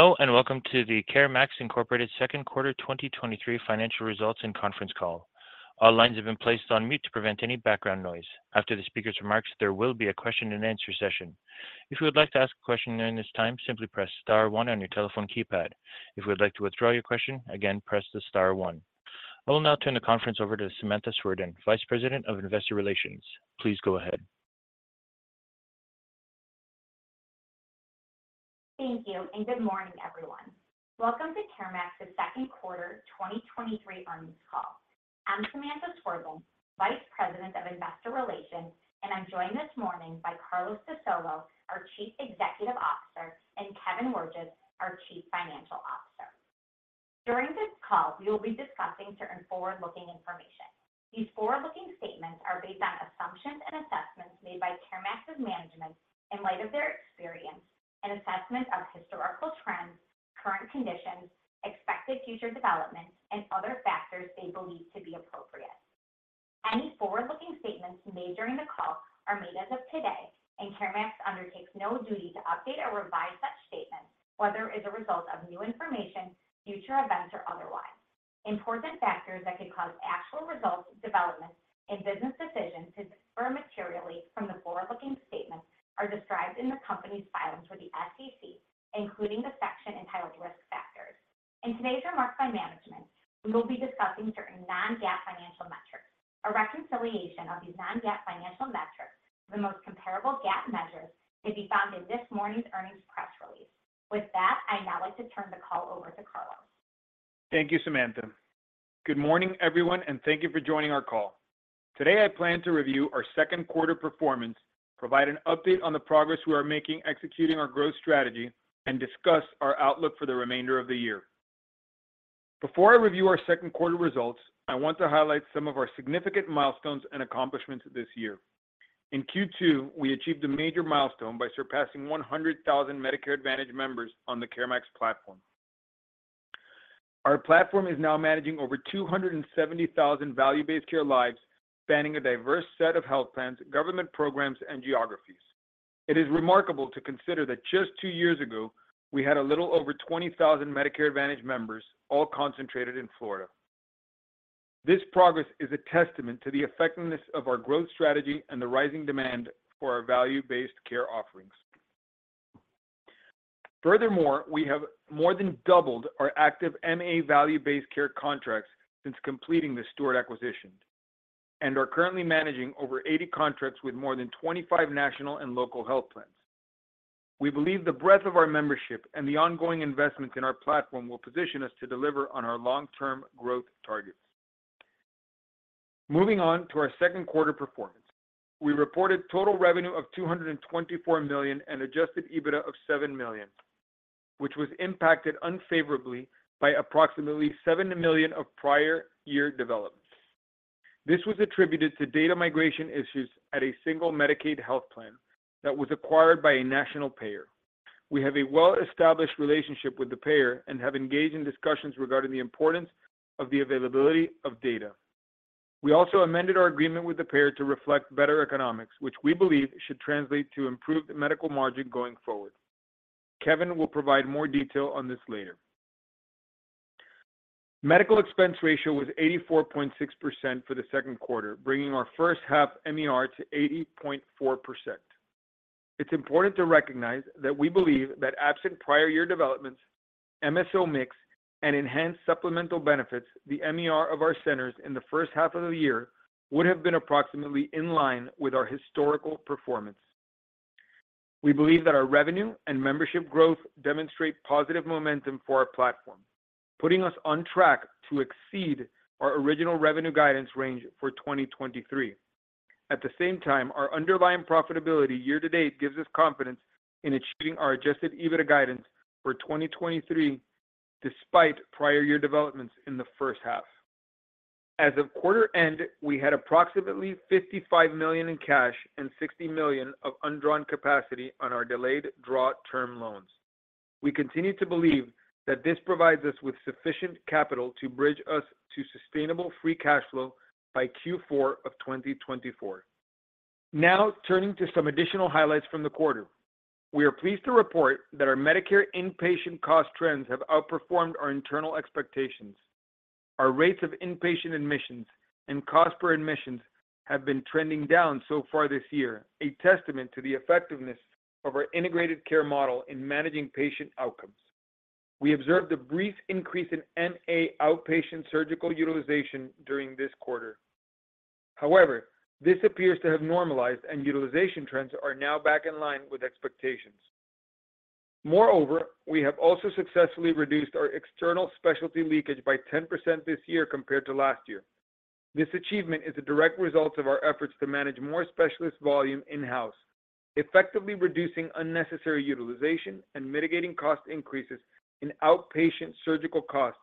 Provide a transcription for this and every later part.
Hello, welcome to the CareMax Incorporated Second Quarter 2023 Financial Results and Conference Call. All lines have been placed on mute to prevent any background noise. After the speaker's remarks, there will be a question and answer session. If you would like to ask a question during this time, simply press star one on your telephone keypad. If you would like to withdraw your question, again, press the star one. I will now turn the conference over to Samantha Swerdlin, Vice President of Investor Relations. Please go ahead. Thank you, good morning, everyone. Welcome to CareMax's Second Quarter 2023 Earnings Call. I'm Samantha Swerdlin, Vice President of Investor Relations, and I'm joined this morning by Carlos de Solo, our Chief Executive Officer, and Kevin Wirges, our Chief Financial Officer. During this call, we will be discussing certain forward-looking information. These forward-looking statements are based on assumptions and assessments made by CareMax's management in light of their experience and assessment of historical trends, current conditions, expected future developments, and other factors they believe to be appropriate. Any forward-looking statements made during the call are made as of today, CareMax undertakes no duty to update or revise such statements, whether as a result of new information, future events, or otherwise. Important factors that could cause actual results, developments, and business decisions to differ materially from the forward-looking statements are described in the company's filings with the SEC, including the section entitled Risk Factors. In today's remarks by management, we will be discussing certain non-GAAP financial metrics. A reconciliation of these non-GAAP financial metrics, the most comparable GAAP measures, may be found in this morning's earnings press release. With that, I'd now like to turn the call over to Carlos. Thank you, Samantha. Good morning, everyone, and thank you for joining our call. Today, I plan to review our second quarter performance, provide an update on the progress we are making executing our growth strategy, and discuss our outlook for the remainder of the year. Before I review our second quarter results, I want to highlight some of our significant milestones and accomplishments this year. In Q2, we achieved a major milestone by surpassing 100,000 Medicare Advantage members on the CareMax platform. Our platform is now managing over 270,000 value-based care lives, spanning a diverse set of health plans, government programs, and geographies. It is remarkable to consider that just two years ago, we had a little over 20,000 Medicare Advantage members, all concentrated in Florida. This progress is a testament to the effectiveness of our growth strategy and the rising demand for our value-based care offerings. We have more than doubled our active MA value-based care contracts since completing the Steward acquisition and are currently managing over 80 contracts with more than 25 national and local health plans. We believe the breadth of our membership and the ongoing investments in our platform will position us to deliver on our long-term growth targets. Moving on to our second quarter performance. We reported total revenue of $224 million and adjusted EBITDA of $7 million, which was impacted unfavorably by approximately $7 million of prior year developments. This was attributed to data migration issues at a single Medicaid health plan that was acquired by a national payer. We have a well-established relationship with the payer and have engaged in discussions regarding the importance of the availability of data. We also amended our agreement with the payer to reflect better economics, which we believe should translate to improved medical margin going forward. Kevin will provide more detail on this later. Medical expense ratio was 84.6% for the second quarter, bringing our first half MER to 80.4%. It's important to recognize that we believe that absent prior year developments, MSO mix, and enhanced supplemental benefits, the MER of our centers in the first half of the year would have been approximately in line with our historical performance. We believe that our revenue and membership growth demonstrate positive momentum for our platform, putting us on track to exceed our original revenue guidance range for 2023. At the same time, our underlying profitability year to date gives us confidence in achieving our adjusted EBITDA guidance for 2023, despite prior year developments in the first half. As of quarter end, we had approximately $55 million in cash and $60 million of undrawn capacity on our delayed draw term loans. We continue to believe that this provides us with sufficient capital to bridge us to sustainable free cash flow by Q4 of 2024. Turning to some additional highlights from the quarter. We are pleased to report that our Medicare inpatient cost trends have outperformed our internal expectations. Our rates of inpatient admissions and cost per admissions have been trending down so far this year, a testament to the effectiveness of our integrated care model in managing patient outcomes. We observed a brief increase in MA outpatient surgical utilization during this quarter. However, this appears to have normalized, and utilization trends are now back in line with expectations. Moreover, we have also successfully reduced our external specialty leakage by 10% this year compared to last year. This achievement is a direct result of our efforts to manage more specialist volume in-house, effectively reducing unnecessary utilization and mitigating cost increases in outpatient surgical costs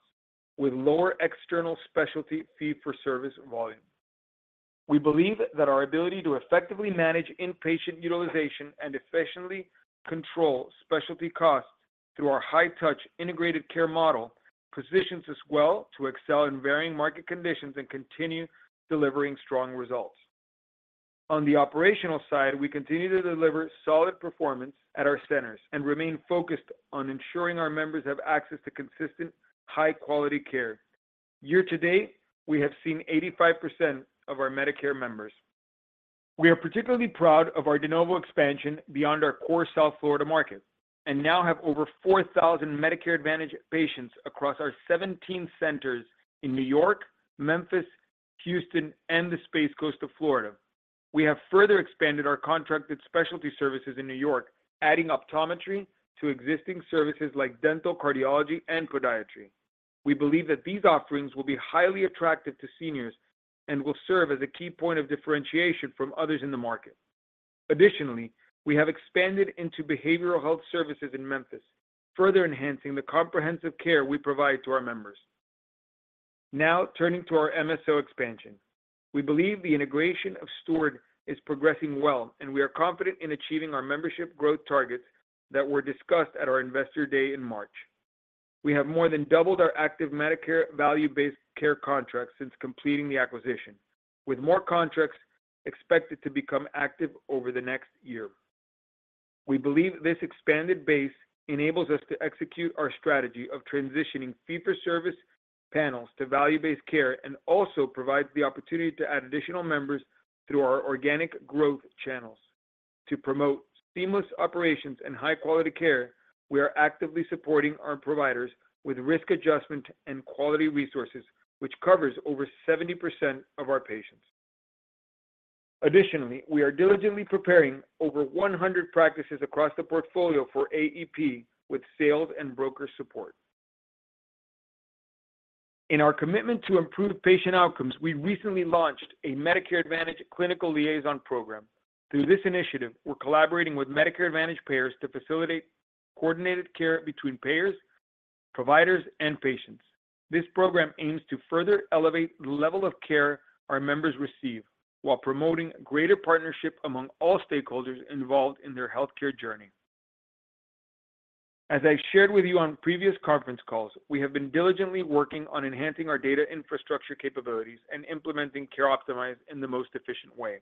with lower external specialty fee for service volume. We believe that our ability to effectively manage inpatient utilization and efficiently control specialty costs through our high-touch integrated care model, positions us well to excel in varying market conditions and continue delivering strong results. On the operational side, we continue to deliver solid performance at our centers and remain focused on ensuring our members have access to consistent, high-quality care. Year to date, we have seen 85% of our Medicare members. We are particularly proud of our de novo expansion beyond our core South Florida market, and now have over 4,000 Medicare Advantage patients across our 17 centers in New York, Memphis, Houston, and the Space Coast of Florida. We have further expanded our contracted specialty services in New York, adding optometry to existing services like dental, cardiology, and podiatry. We believe that these offerings will be highly attractive to seniors and will serve as a key point of differentiation from others in the market. Additionally, we have expanded into behavioral health services in Memphis, further enhancing the comprehensive care we provide to our members. Now, turning to our MSO expansion. We believe the integration of Steward is progressing well, and we are confident in achieving our membership growth targets that were discussed at our Investor Day in March. We have more than doubled our active Medicare value-based care contracts since completing the acquisition, with more contracts expected to become active over the next year. We believe this expanded base enables us to execute our strategy of transitioning fee-for-service panels to value-based care, also provides the opportunity to add additional members through our organic growth channels. To promote seamless operations and high-quality care, we are actively supporting our providers with risk adjustment and quality resources, which covers over 70% of our patients. Additionally, we are diligently preparing over 100 practices across the portfolio for AEP with sales and broker support. In our commitment to improve patient outcomes, we recently launched a Medicare Advantage Clinical Liaison Program. Through this initiative, we're collaborating with Medicare Advantage payers to facilitate coordinated care between payers, providers, and patients. This program aims to further elevate the level of care our members receive, while promoting greater partnership among all stakeholders involved in their healthcare journey. As I've shared with you on previous conference calls, we have been diligently working on enhancing our data infrastructure capabilities and implementing CareOptimize in the most efficient way.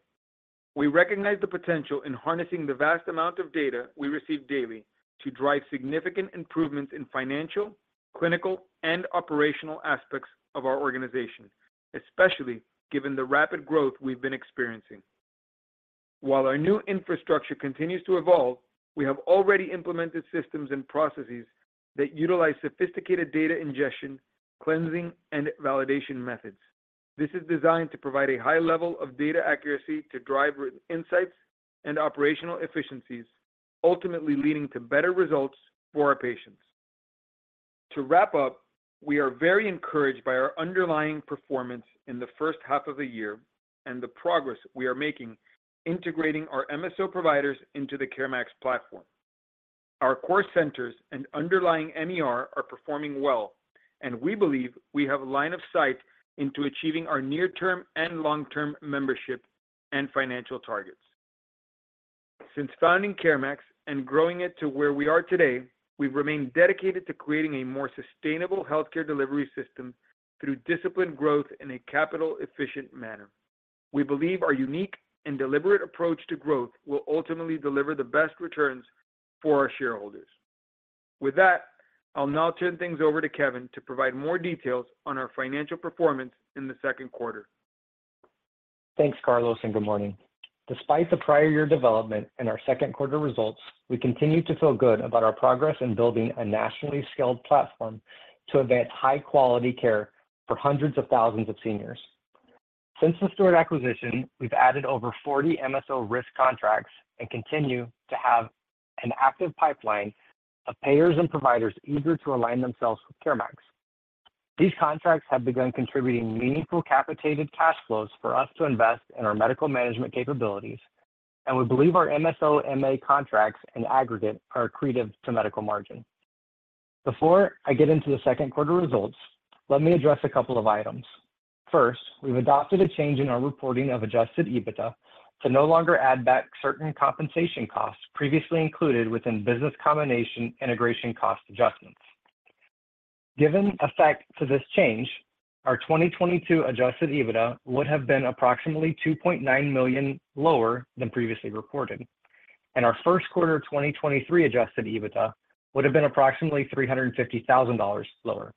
We recognize the potential in harnessing the vast amount of data we receive daily to drive significant improvements in financial, clinical, and operational aspects of our organization, especially given the rapid growth we've been experiencing. While our new infrastructure continues to evolve, we have already implemented systems and processes that utilize sophisticated data ingestion, cleansing, and validation methods. This is designed to provide a high level of data accuracy to drive insights and operational efficiencies, ultimately leading to better results for our patients. To wrap up, we are very encouraged by our underlying performance in the first half of the year and the progress we are making integrating our MSO providers into the CareMax platform. Our core centers and underlying MER are performing well, and we believe we have line of sight into achieving our near-term and long-term membership and financial targets. Since founding CareMax and growing it to where we are today, we've remained dedicated to creating a more sustainable healthcare delivery system through disciplined growth in a capital-efficient manner. We believe our unique and deliberate approach to growth will ultimately deliver the best returns for our shareholders. With that, I'll now turn things over to Kevin to provide more details on our financial performance in the second quarter. Thanks, Carlos, and good morning. Despite the prior year development and our second quarter results, we continue to feel good about our progress in building a nationally scaled platform to advance high-quality care for hundreds of thousands of seniors. Since the Steward acquisition, we've added over 40 MSO risk contracts and continue to have an active pipeline of payers and providers eager to align themselves with CareMax. These contracts have begun contributing meaningful capitated cash flows for us to invest in our medical management capabilities, and we believe our MSO/MA contracts in aggregate are accretive to medical margin. Before I get into the second quarter results, let me address a couple of items. First, we've adopted a change in our reporting of adjusted EBITDA to no longer add back certain compensation costs previously included within business combination integration cost adjustments. Given effect to this change, our 2022 adjusted EBITDA would have been approximately $2.9 million lower than previously reported, and our first quarter 2023 adjusted EBITDA would have been approximately $350,000 lower.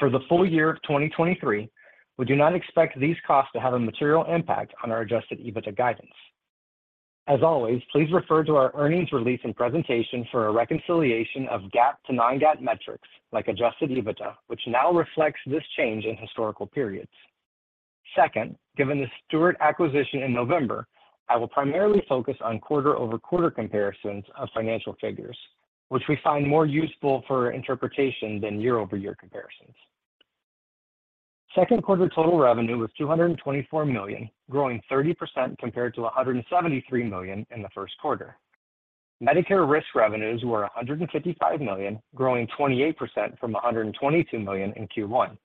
For the full year of 2023, we do not expect these costs to have a material impact on our adjusted EBITDA guidance. As always, please refer to our earnings release and presentation for a reconciliation of GAAP to non-GAAP metrics, like adjusted EBITDA, which now reflects this change in historical periods. Second, given the Steward acquisition in November, I will primarily focus on quarter-over-quarter comparisons of financial figures, which we find more useful for interpretation than year-over-year comparisons. Second quarter total revenue was $224 million, growing 30% compared to $173 million in the first quarter. Medicare risk revenues were $155 million, growing 28% from $122 million in Q1.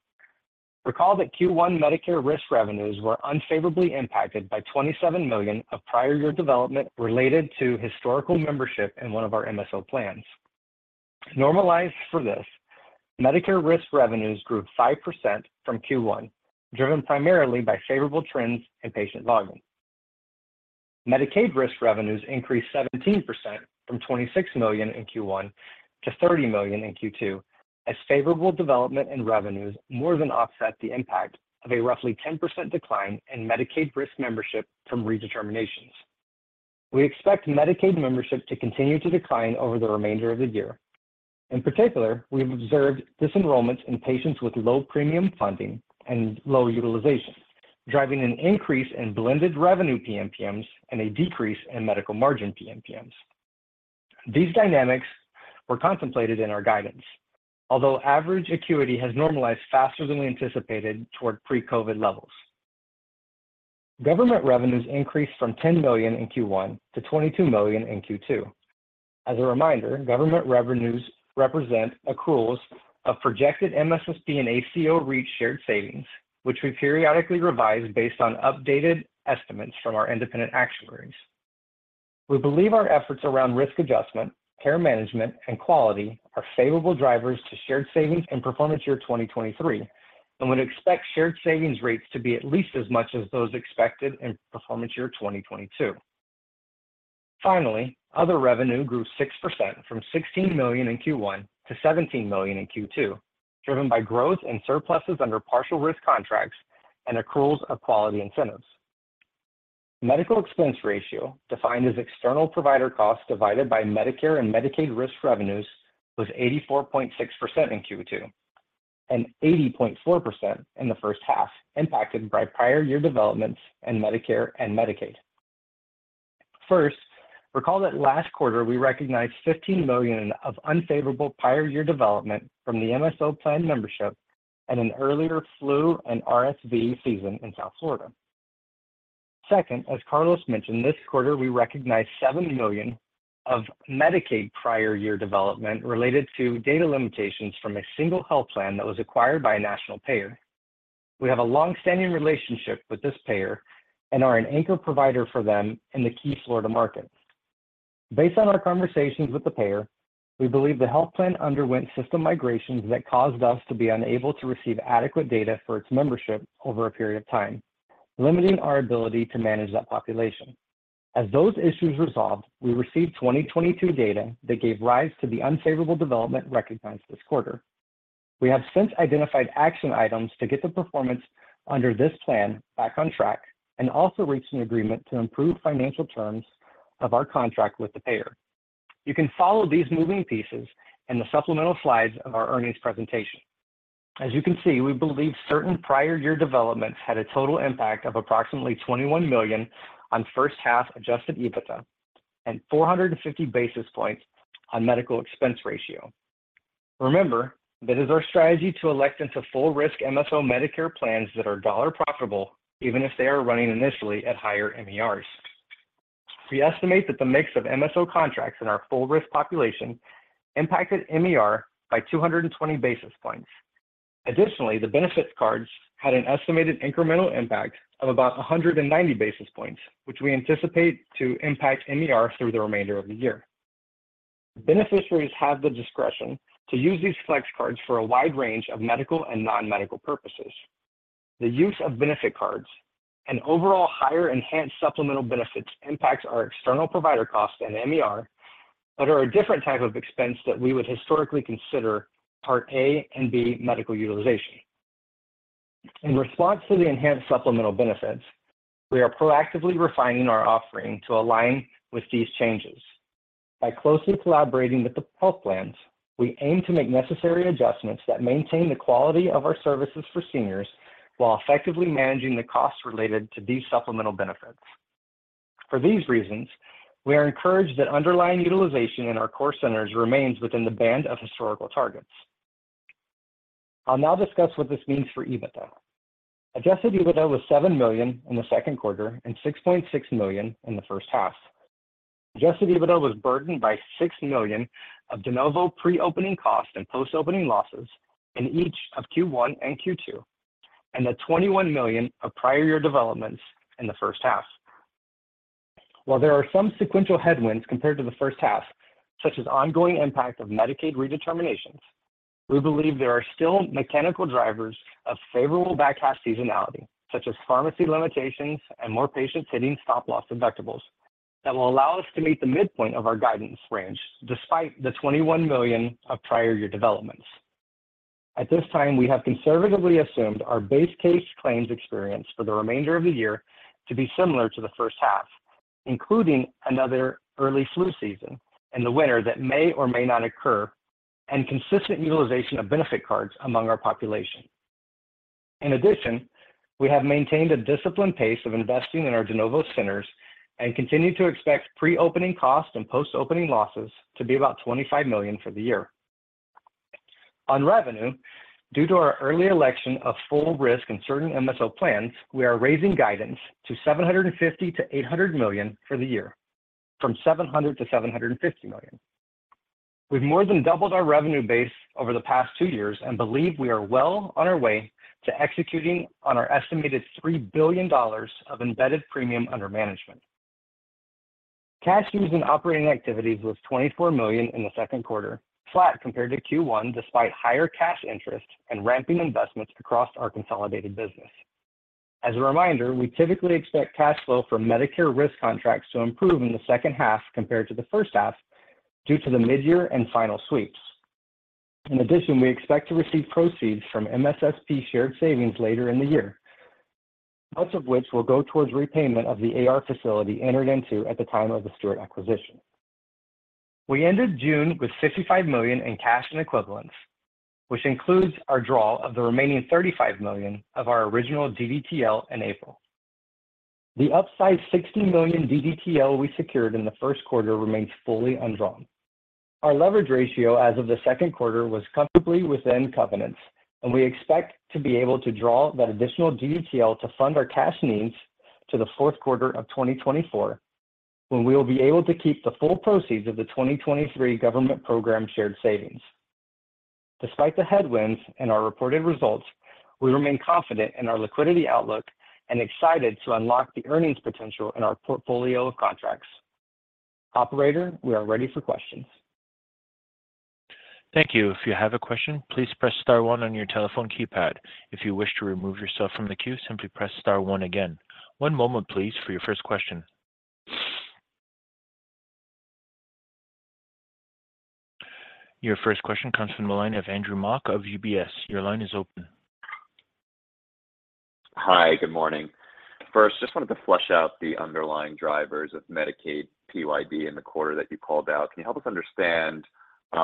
Recall that Q1 Medicare risk revenues were unfavorably impacted by $27 million of prior year development related to historical membership in one of our MSO plans. Normalized for this, Medicare risk revenues grew 5% from Q1, driven primarily by favorable trends in patient volume. Medicaid risk revenues increased 17% from $26 million in Q1 to $30 million in Q2, as favorable development in revenues more than offset the impact of a roughly 10% decline in Medicaid risk membership from redeterminations. We expect Medicaid membership to continue to decline over the remainder of the year. In particular, we've observed disenrollment in patients with low premium funding and low utilization, driving an increase in blended revenue PMPMs and a decrease in medical margin PMPMs. These dynamics were contemplated in our guidance, although average acuity has normalized faster than we anticipated toward pre-COVID levels. Government revenues increased from $10 million in Q1 to $22 million in Q2. As a reminder, government revenues represent accruals of projected MSSP and ACO REACH shared savings, which we periodically revise based on updated estimates from our independent actuaries. We believe our efforts around risk adjustment, care management, and quality are favorable drivers to shared savings in performance year 2023, and would expect shared savings rates to be at least as much as those expected in performance year 2022. Finally, other revenue grew 6% from $16 million in Q1 to $17 million in Q2, driven by growth and surpluses under partial risk contracts and accruals of quality incentives. Medical expense ratio, defined as external provider costs divided by Medicare and Medicaid risk revenues, was 84.6% in Q2, and 80.4% in the first half, impacted by prior year developments in Medicare and Medicaid. First, recall that last quarter we recognized $15 million of unfavorable prior year development from the MSO plan membership and an earlier flu and RSV season in South Florida. Second, as Carlos mentioned, this quarter, we recognized $7 million of Medicaid prior year development related to data limitations from a single health plan that was acquired by a national payer. We have a long-standing relationship with this payer and are an anchor provider for them in the key Florida market. Based on our conversations with the payer, we believe the health plan underwent system migrations that caused us to be unable to receive adequate data for its membership over a period of time, limiting our ability to manage that population. As those issues resolved, we received 2022 data that gave rise to the unfavorable development recognized this quarter. We have since identified action items to get the performance under this plan back on track, and also reached an agreement to improve financial terms of our contract with the payer. You can follow these moving pieces in the supplemental slides of our earnings presentation. As you can see, we believe certain prior year developments had a total impact of approximately $21 million on first half adjusted EBITDA and 450 basis points on medical expense ratio. Remember, it is our strategy to elect into full risk MSO Medicare plans that are dollar profitable, even if they are running initially at higher MERs. We estimate that the mix of MSO contracts in our full risk population impacted MER by 220 basis points. Additionally, the benefit cards had an estimated incremental impact of about 190 basis points, which we anticipate to impact MER through the remainder of the year. Beneficiaries have the discretion to use these flex cards for a wide range of medical and non-medical purposes. The use of benefit cards and overall higher enhanced supplemental benefits impacts our external provider costs and MER, but are a different type of expense that we would historically consider Part A and B medical utilization. In response to the enhanced supplemental benefits, we are proactively refining our offering to align with these changes. By closely collaborating with the health plans, we aim to make necessary adjustments that maintain the quality of our services for seniors, while effectively managing the costs related to these supplemental benefits. For these reasons, we are encouraged that underlying utilization in our core centers remains within the band of historical targets. I'll now discuss what this means for EBITDA. Adjusted EBITDA was $7 million in the second quarter and $6.6 million in the first half. Adjusted EBITDA was burdened by $6 million of de novo pre-opening costs and post-opening losses in each of Q1 and Q2, and the $21 million of prior year developments in the first half. While there are some sequential headwinds compared to the first half, such as ongoing impact of Medicaid redeterminations, we believe there are still mechanical drivers of favorable back half seasonality, such as pharmacy limitations and more patients hitting stop-loss deductibles, that will allow us to meet the midpoint of our guidance range, despite the $21 million of prior year developments. At this time, we have conservatively assumed our base case claims experience for the remainder of the year to be similar to the first half, including another early flu season in the winter that may or may not occur, and consistent utilization of benefit cards among our population. In addition, we have maintained a disciplined pace of investing in our de novo centers and continue to expect pre-opening costs and post-opening losses to be about $25 million for the year. On revenue, due to our early election of full risk in certain MSO plans, we are raising guidance to $750 million-$800 million for the year, from $700 million-$750 million. We've more than doubled our revenue base over the past two years and believe we are well on our way to executing on our estimated $3 billion of embedded premium under management. Cash used in operating activities was $24 million in the second quarter, flat compared to Q1, despite higher cash interest and ramping investments across our consolidated business. As a reminder, we typically expect cash flow from Medicare risk contracts to improve in the second half compared to the first half, due to the midyear and final sweeps. In addition, we expect to receive proceeds from MSSP shared savings later in the year, much of which will go towards repayment of the AR facility entered into at the time of the Steward acquisition. We ended June with $55 million in cash and equivalents, which includes our draw of the remaining $35 million of our original DDTL in April. The upside, $60 million DDTL we secured in the first quarter, remains fully undrawn. Our leverage ratio as of the second quarter was comfortably within covenants, and we expect to be able to draw that additional DDTL to fund our cash needs to the fourth quarter of 2024, when we will be able to keep the full proceeds of the 2023 government program shared savings. Despite the headwinds and our reported results, we remain confident in our liquidity outlook and excited to unlock the earnings potential in our portfolio of contracts. Operator, we are ready for questions. Thank you. If you have a question, please press star one on your telephone keypad. If you wish to remove yourself from the queue, simply press star one again. One moment, please, for your first question. Your first question comes from the line of Andrew Mok of UBS. Your line is open. Hi, good morning. First, just wanted to flush out the underlying drivers of Medicaid PYD in the quarter that you called out. Can you help us understand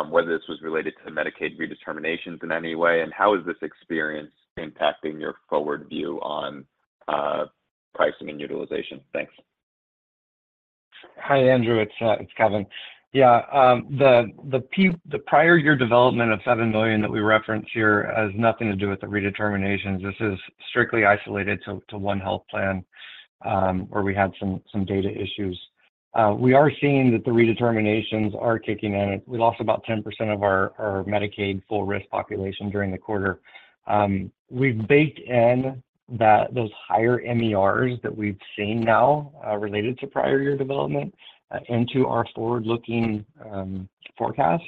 whether this was related to Medicaid redeterminations in any way, and how is this experience impacting your forward view on pricing and utilization? Thanks. Hi, Andrew, it's, it's Kevin. Yeah, the, the prior year development of $7 million that we referenced here has nothing to do with the redeterminations. This is strictly isolated to, to one health plan, where we had some, some data issues. We are seeing that the redeterminations are kicking in, and we lost about 10% of our, our Medicaid full risk population during the quarter. We've baked in that those higher MERs that we've seen now, related to prior year development, into our forward-looking forecast.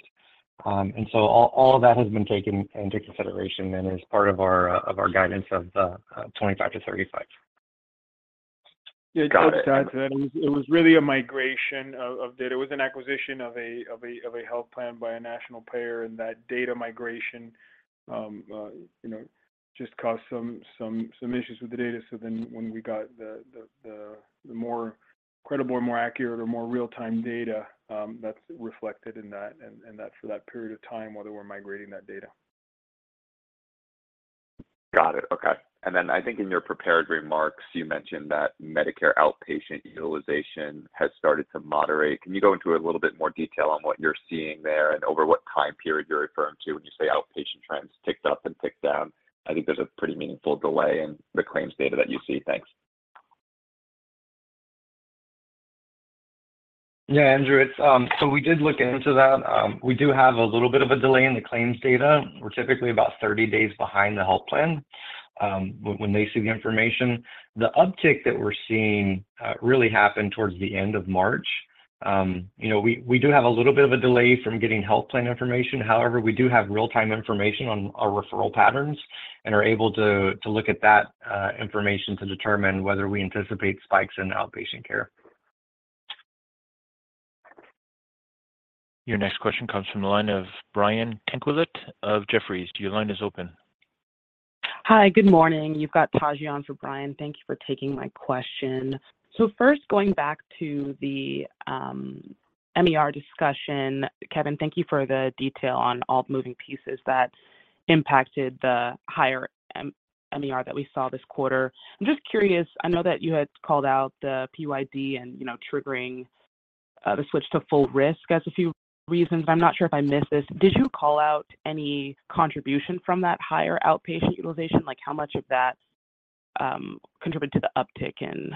All, all of that has been taken into consideration and is part of our, of our guidance of the $25 million-$35 million. Got it. Yeah, it was, it was really a migration of, of data. It was an acquisition of a, of a, of a health plan by a national payer, and that data migration, you know, just caused some, some, some issues with the data. When we got the, the, the, the more credible or more accurate or more real-time data, that's reflected in that, and that's for that period of time, whether we're migrating that data. Got it. Okay. Then I think in your prepared remarks, you mentioned that Medicare outpatient utilization has started to moderate. Can you go into a little bit more detail on what you're seeing there and over what time period you're referring to when you say outpatient trends ticked up and ticked down? I think there's a pretty meaningful delay in the claims data that you see. Thanks. Yeah, Andrew, it's. We did look into that. We do have a little bit of a delay in the claims data. We're typically about 30 days behind the health plan, when they see the information. The uptick that we're seeing really happened towards the end of March. You know, we, we do have a little bit of a delay from getting health plan information. However, we do have real-time information on our referral patterns and are able to look at that information to determine whether we anticipate spikes in outpatient care. Your next question comes from the line of Brian Tanquilut of Jefferies. Your line is open. Hi, good morning. You've got Taji on for Brian. Thank you for taking my question. First, going back to the MER discussion, Kevin, thank you for the detail on all the moving pieces that impacted the higher MER that we saw this quarter. I'm just curious, I know that you had called out the PYD and, you know, triggering the switch to full risk as a few reasons. I'm not sure if I missed this. Did you call out any contribution from that higher outpatient utilization? Like, how much of that contributed to the uptick in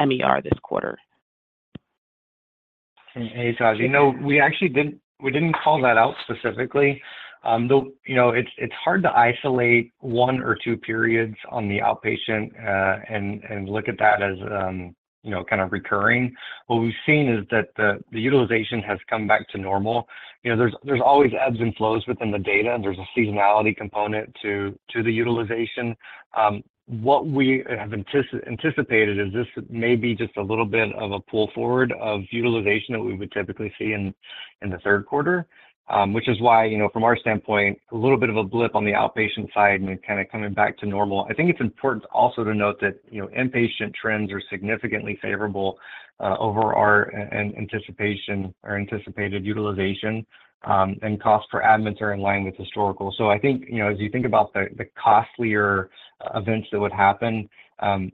MER this quarter? Hey, Taji. No, we actually didn't, we didn't call that out specifically. Though, you know, it's, it's hard to isolate one or two periods on the outpatient, and, and look at that as, you know, kind of recurring. What we've seen is that the, the utilization has come back to normal. You know, there's, there's always ebbs and flows within the data, and there's a seasonality component to, to the utilization. What we have anticipated is this may be just a little bit of a pull forward of utilization that we would typically see in, in the third quarter. Which is why, you know, from our standpoint, a little bit of a blip on the outpatient side, and we're kind of coming back to normal. I think it's important also to note that, you know, inpatient trends are significantly favorable over our anticipation or anticipated utilization, and cost per admits are in line with historical. I think, you know, as you think about the, the costlier events that would happen,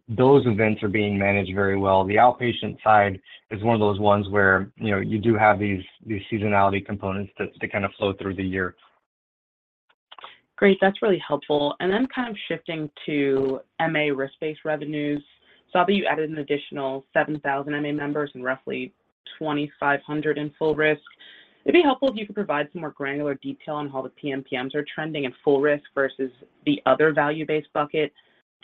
those events are being managed very well. The outpatient side is one of those ones where, you know, you do have these, these seasonality components that, that kind of flow through the year. Great, that's really helpful. Then kind of shifting to MA risk-based revenues. Saw that you added an additional 7,000 MA members and roughly 2,500 in full risk. It'd be helpful if you could provide some more granular detail on how the PMPMs are trending in full risk versus the other value-based bucket.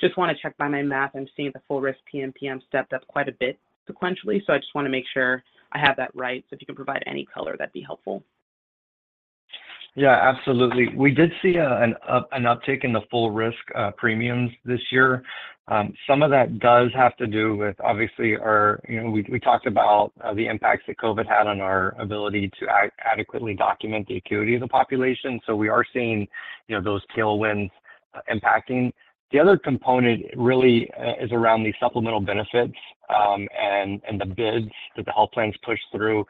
Just wanna check my, my math. I'm seeing the full risk PMPM stepped up quite a bit sequentially, so I just wanna make sure I have that right. If you can provide any color, that'd be helpful. Yeah, absolutely. We did see an uptick in the full risk premiums this year. Some of that does have to do with obviously our, you know, we, we talked about the impacts that COVID had on our ability to adequately document the acuity of the population. We are seeing, you know, those tailwinds impacting. The other component really is around the supplemental benefits and the bids that the health plans pushed through.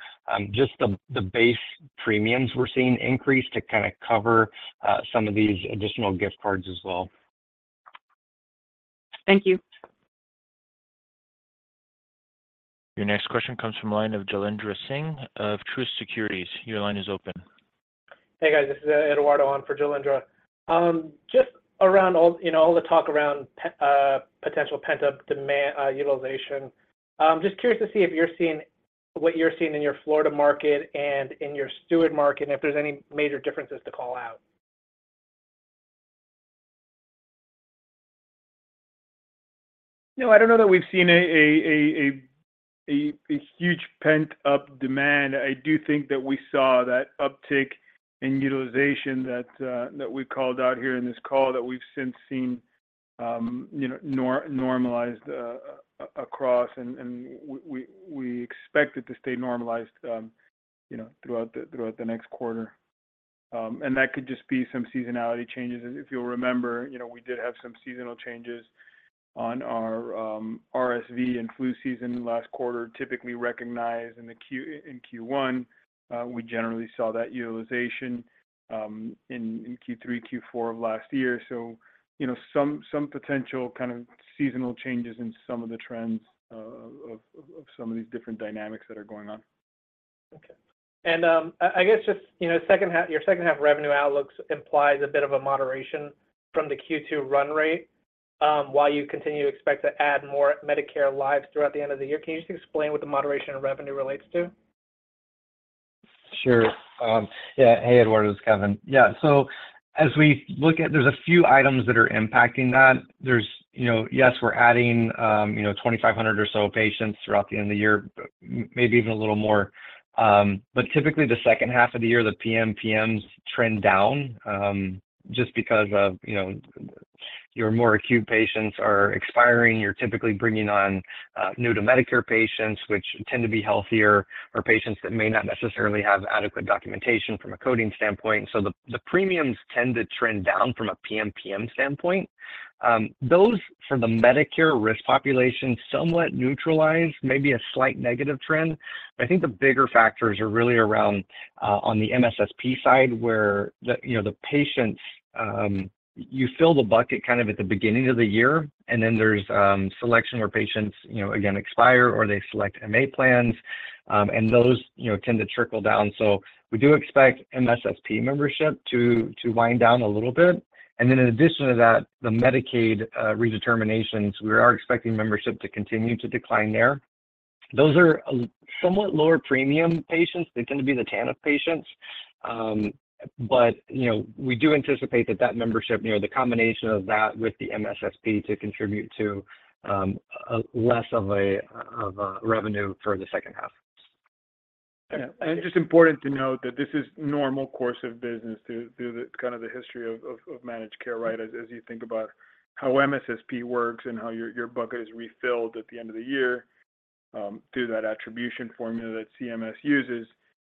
Just the base premiums we're seeing increase to kind of cover some of these additional gift cards as well. Thank you. Your next question comes from line of Jailendra Singh of Truist Securities. Your line is open. Hey, guys, this is Eduardo on for Jailendra. Just around all, you know, all the talk around potential pent-up demand, utilization, just curious to see if you're seeing what you're seeing in your Florida market and in your Steward market, if there's any major differences to call out? No, I don't know that we've seen a huge pent-up demand. I do think that we saw that uptick in utilization that we called out here in this call, that we've since seen, you know, normalized across, and we expect it to stay normalized, you know, throughout the, throughout the next quarter. And that could just be some seasonality changes. If you'll remember, you know, we did have some seasonal changes on our RSV and flu season last quarter, typically recognized in Q1. We generally saw that utilization in Q3, Q4 of last year. You know, some potential kind of seasonal changes in some of the trends of some of these different dynamics that are going on. Okay. I, I guess just, you know, your second half revenue outlooks implies a bit of a moderation from the Q2 run rate, while you continue to expect to add more Medicare lives throughout the end of the year. Can you just explain what the moderation in revenue relates to? Sure. Yeah. Hey, Eduardo, it's Kevin. As we look at, there's a few items that are impacting that. There's, you know, yes, we're adding, you know, 2,500 or so patients throughout the end of the year, maybe even a little more. Typically, the second half of the year, the PMPMs trend down just because of, you know, your more acute patients are expiring. You're typically bringing on new to Medicare patients, which tend to be healthier, or patients that may not necessarily have adequate documentation from a coding standpoint. The premiums tend to trend down from a PMPM standpoint. Those for the Medicare risk population, somewhat neutralized, maybe a slight negative trend. I think the bigger factors are really around on the MSSP side, where the, you know, the patients, you fill the bucket kind of at the beginning of the year, and then there's selection where patients, you know, again, expire or they select MA plans, and those, you know, tend to trickle down. We do expect MSSP membership to, to wind down a little bit. In addition to that, the Medicaid redeterminations, we are expecting membership to continue to decline there. Those are a somewhat lower premium patients. They tend to be the TANF patients. You know, we do anticipate that that membership, you know, the combination of that with the MSSP to contribute to a less of a, of a revenue for the second half. Yeah. Just important to note that this is normal course of business through, the kind of the history of managed care, right? As you think about how MSSP works and how your bucket is refilled at the end of the year, through that attribution formula that CMS uses.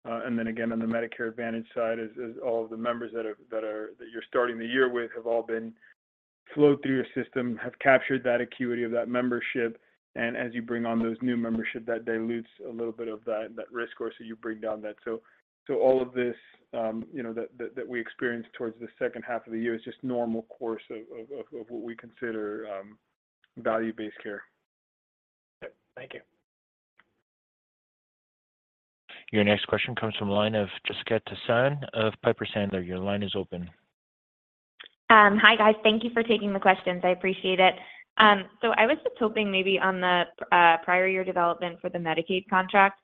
Then again, on the Medicare Advantage side, is all of the members that are that you're starting the year with have all been flowed through your system, have captured that acuity of that membership, and as you bring on those new membership, that dilutes a little bit of that risk score, so you bring down that. So all of this, you know, that, that, that we experienced towards the second half of the year is just normal course of what we consider, value-based care. Yep. Thank you. Your next question comes from line of Jessica Tassan of Piper Sandler. Your line is open. Hi, guys. Thank you for taking the questions. I appreciate it. I was just hoping maybe on the prior year development for the Medicaid contract,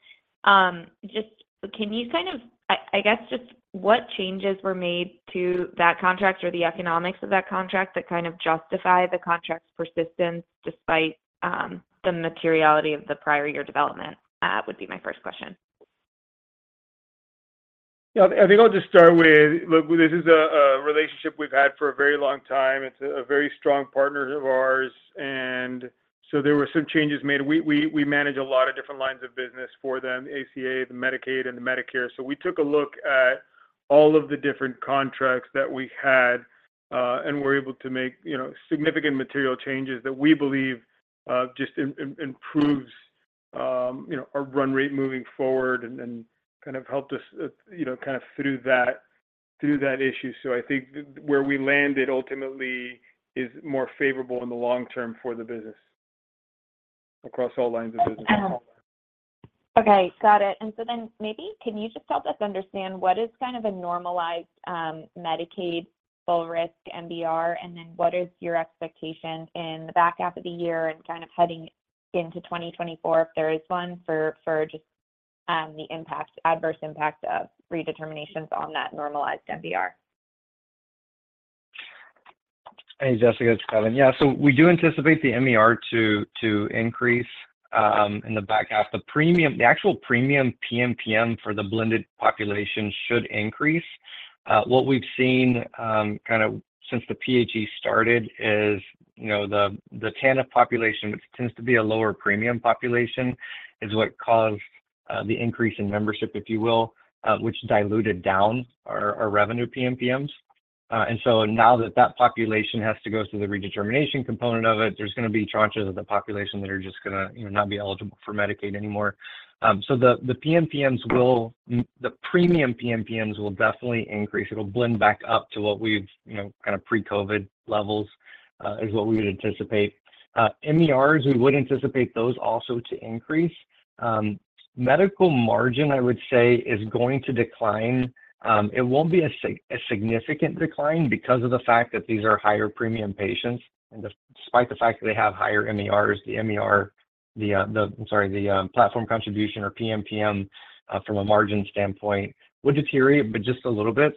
what changes were made to that contract or the economics of that contract that kind of justify the contract's persistence despite the materiality of the prior year development? Would be my first question. Yeah, I think I'll just start with, look, this is a relationship we've had for a very long time. It's a very strong partner of ours, so there were some changes made. We manage a lot of different lines of business for them, ACA, the Medicaid, and the Medicare. We took a look at all of the different contracts that we had and were able to make, you know, significant material changes that we believe just improves, you know, our run rate moving forward and kind of helped us, you know, kind of through that, through that issue. I think where we landed ultimately is more favorable in the long term for the business, across all lines of business. Okay, got it. Maybe can you just help us understand what is kind of a normalized Medicaid full risk MBR, and then what is your expectation in the back half of the year and kind of into 2024, if there is one, for, for just the impact, adverse impact of redeterminations on that normalized MER? Hey, Jessica, it's Kevin. We do anticipate the MER to increase in the back half. The premium, the actual premium PMPM for the blended population should increase. What we've seen kind of since the PHE started is, you know, the TANF population, which tends to be a lower premium population, is what caused the increase in membership, if you will, which diluted down our revenue PMPMs. Now that that population has to go through the redetermination component of it, there's gonna be tranches of the population that are just gonna, you know, not be eligible for Medicaid anymore. The PMPMs will, the premium PMPMs will definitely increase. It'll blend back up to what we've, you know, kind of pre-COVID levels is what we would anticipate. MERs, we would anticipate those also to increase. Medical margin, I would say, is going to decline. It won't be a significant decline because of the fact that these are higher premium patients, and despite the fact that they have higher MERs, the MER, I'm sorry, the platform contribution or PMPM, from a margin standpoint, would deteriorate, but just a little bit.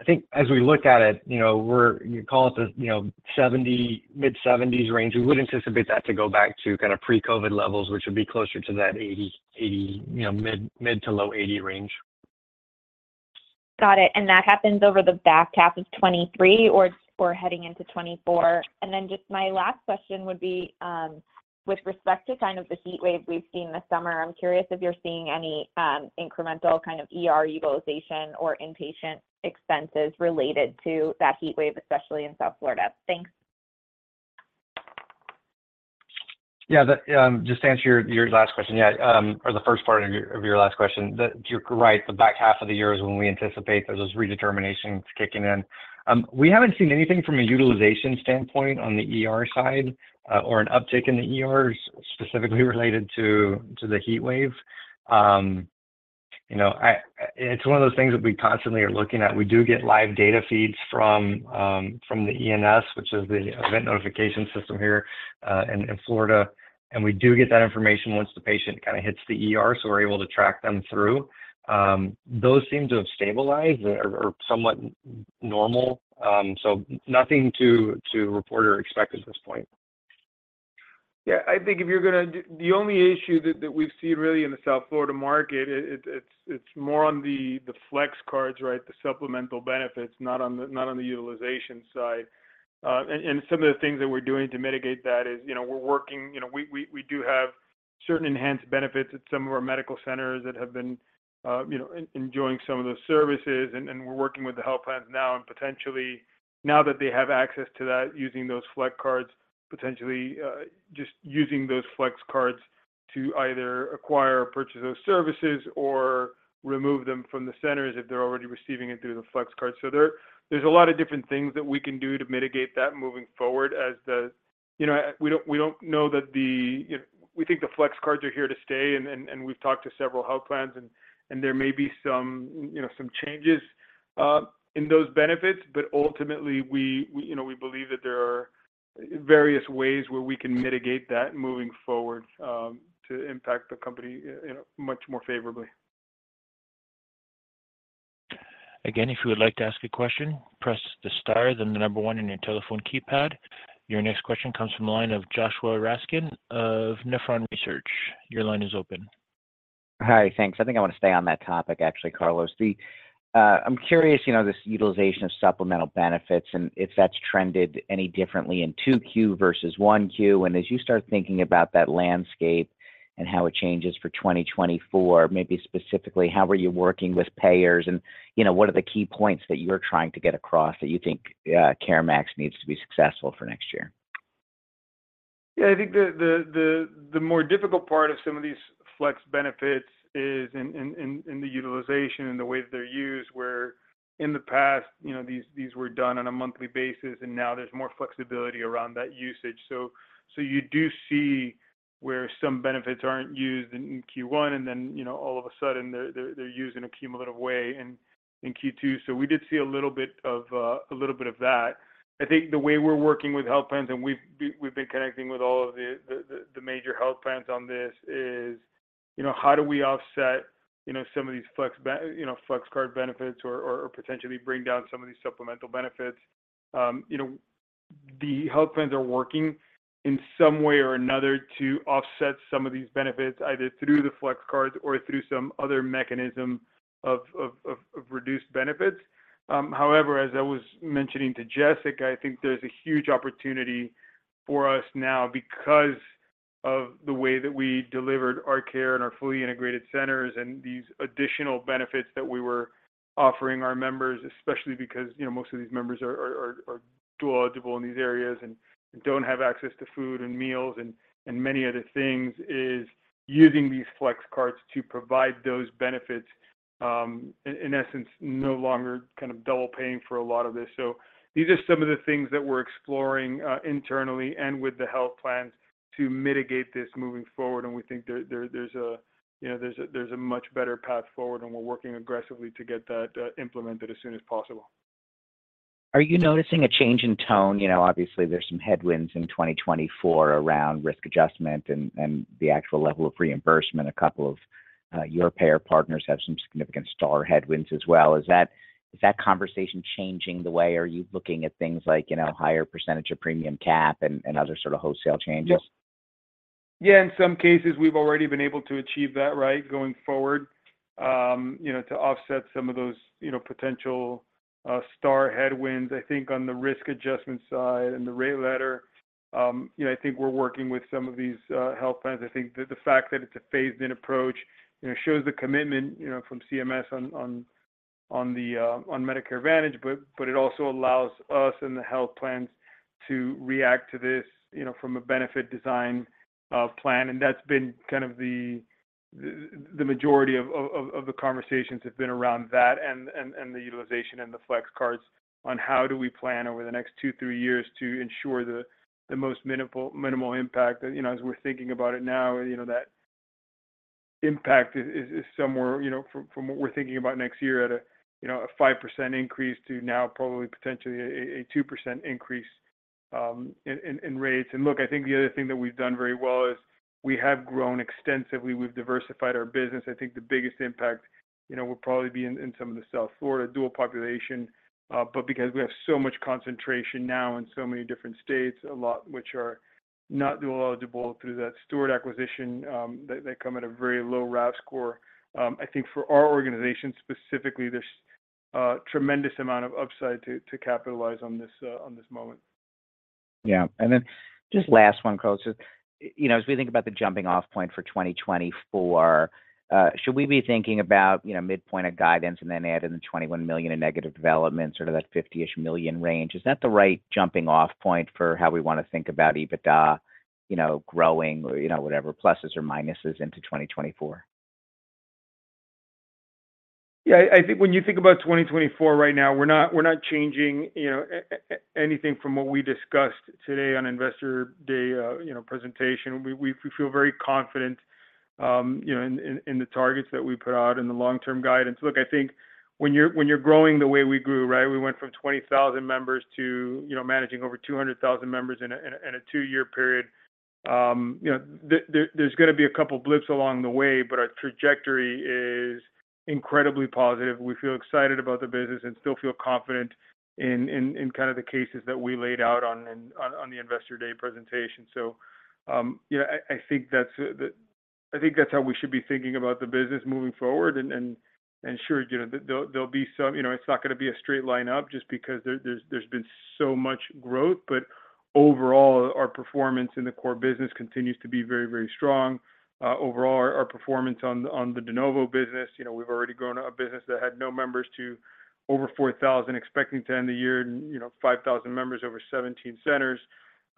I think as we look at it, we're, you call it the 70, mid-70s range, we would anticipate that to go back to kind of pre-COVID levels, which would be closer to that 80, mid to low 80 range. Got it, and that happens over the back half of 2023 or, or heading into 2024? Then just my last question would be, with respect to kind of the heat wave we've seen this summer, I'm curious if you're seeing any, incremental kind of ER utilization or inpatient expenses related to that heat wave, especially in South Florida. Thanks. Just to answer your last question, yeah, or the first part of your last question, you're right, the back half of the year is when we anticipate those redeterminations kicking in. We haven't seen anything from a utilization standpoint on the ER side, or an uptick in the ERs specifically related to the heat wave. You know, I, it's one of those things that we constantly are looking at. We do get live data feeds from, from the ENS, which is the Encounter Notification Service here in Florida, and we do get that information once the patient kind of hits the ER, so we're able to track them through. Those seem to have stabilized or, or somewhat normal. Nothing to, to report or expect at this point. Yeah, I think if you're gonna. The only issue that we've seen really in the South Florida market, it's more on the flex cards, right? The supplemental benefits, not on the utilization side. Some of the things that we're doing to mitigate that is, you know, we're working, you know, we do have certain enhanced benefits at some of our medical centers that have been, you know, enjoying some of those services. We're working with the health plans now, and potentially now that they have access to that, using those flex cards, potentially, just using those flex cards to either acquire or purchase those services or remove them from the centers if they're already receiving it through the flex card. There, there's a lot of different things that we can do to mitigate that moving forward. You know, we don't, we don't know that the, you know, we think the flex cards are here to stay, and, and, and we've talked to several health plans, and, and there may be some, you know, some changes in those benefits, but ultimately, we, we, you know, we believe that there are various ways where we can mitigate that moving forward to impact the company, you know, much more favorably. Again, if you would like to ask a question, press the star, then one on your telephone keypad. Your next question comes from the line of Joshua Raskin of Nephron Research. Your line is open. Hi, thanks. I think I want to stay on that topic, actually, Carlos. I'm curious, you know, this utilization of supplemental benefits and if that's trended any differently in 2Q versus 1Q. As you start thinking about that landscape and how it changes for 2024, maybe specifically, how are you working with payers? You know, what are the key points that you're trying to get across that you think CareMax needs to be successful for next year? Yeah, I think the more difficult part of some of these flex benefits is in the utilization and the way that they're used, where in the past, you know, these were done on a monthly basis, and now there's more flexibility around that usage. You do see where some benefits aren't used in Q1, and then, you know, all of a sudden, they're used in a cumulative way in Q2. We did see a little bit of a little bit of that. I think the way we're working with health plans, and we've been connecting with all of the major health plans on this, is, you know, how do we offset, you know, some of these flex card benefits or potentially bring down some of these supplemental benefits? You know, the health plans are working in some way or another to offset some of these benefits, either through the flex cards or through some other mechanism of reduced benefits. However, as I was mentioning to Jessica, I think there's a huge opportunity for us now because of the way that we delivered our care in our fully integrated centers and these additional benefits that we were offering our members, especially because, you know, most of these members are dual eligible in these areas and don't have access to food and meals and, and many other things, is using these flex cards to provide those benefits in essence, no longer kind of double paying for a lot of this. These are some of the things that we're exploring internally and with the health plans to mitigate this moving forward, and we think there's a, you know, there's a much better path forward, and we're working aggressively to get that implemented as soon as possible. Are you noticing a change in tone? You know, obviously, there's some headwinds in 2024 around risk adjustment and the actual level of reimbursement. A couple of your payer partners have some significant star headwinds as well. Is that, is that conversation changing the way, are you looking at things like, you know, higher percent of premium cap and other sort of wholesale changes? Yeah. in some cases, we've already been able to achieve that, right, going forward, you know, to offset some of those, you know, potential Star headwinds. I think on the risk adjustment side and the rate letter, you know, I think we're working with some of these health plans. I think the fact that it's a phased-in approach, you know, shows the commitment, you know, from CMS on, on, on the on Medicare Advantage, but, but it also allows us and the health plans to react to this, you know, from a benefit design plan. That's been kind of the, the, the majority of, of, of the conversations have been around that and, and, and the utilization and the flex cards on how do we plan over the next two, three years to ensure the, the most minimal impact. You know, as we're thinking about it now, you know, that impact is somewhere, you know, from, from what we're thinking about next year at a, you know, a 5% increase to now probably potentially a 2% increase in rates. Look, I think the other thing that we've done very well is we have grown extensively. We've diversified our business. I think the biggest impact, you know, will probably be in some of the South Florida dual population, but because we have so much concentration now in so many different states, a lot which are not dual eligible through that Steward acquisition, they, they come at a very low RAF score. I think for our organization specifically, there's a tremendous amount of upside to capitalize on this on this moment. Yeah. Then just last one, Carlos. You know, as we think about the jumping off point for 2024, should we be thinking about, you know, midpoint of guidance and then add in the $21 million in negative developments or to that $50 million-ish range? Is that the right jumping off point for how we want to think about EBITDA, you know, growing or, you know, whatever, pluses or minuses into 2024? Yeah, I, I think when you think about 2024 right now, we're not, we're not changing, you know, anything from what we discussed today on Investor Day, you know, presentation. We, we feel very confident, you know in the targets that we put out and the long-term guidance. Look, I think when you're, when you're growing the way we grew, right, we went from 20,000 members to, you know, managing over 200,000 members in a two-year period. You know, there, there's gonna be a couple blips along the way, but our trajectory is incredibly positive. We feel excited about the business and still feel confident in kind of the cases that we laid out on the Investor Day presentation. You know I think that's I think that's how we should be thinking about the business moving forward, and, and, and sure, you know, there, there'll be some, you know, it's not gonna be a straight line up just because there, there's, there's been so much growth, but overall, our performance in the core business continues to be very, very strong. Overall, our performance on the, on the de novo business, you know, we've already grown a business that had no members to over 4,000, expecting to end the year, you know, 5,000 members over 17 centers.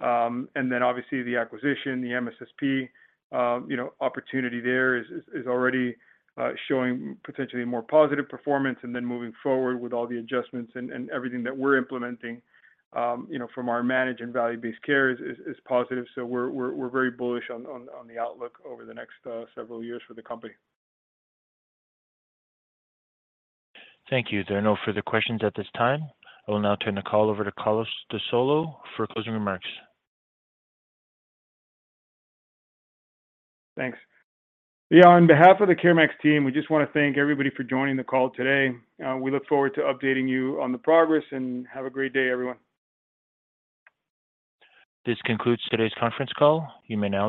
And then obviously, the acquisition, the MSSP, you know, opportunity there is, is, is already showing potentially more positive performance, and then moving forward with all the adjustments and, and everything that we're implementing, you know, from our manage and value-based care is, is, is positive. We're, we're, we're very bullish on the outlook over the next several years for the company. Thank you. There are no further questions at this time. I will now turn the call over to Carlos de Solo for closing remarks. Thanks. Yeah, on behalf of the CareMax team, we just wanna thank everybody for joining the call today. We look forward to updating you on the progress, and have a great day, everyone. This concludes today's conference call. You may now disconnect.